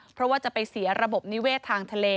เพราะว่าจะไปเสียระบบนิเวศทางทะเล